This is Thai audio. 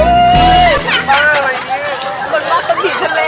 กดมันเป็นผิวใช้แล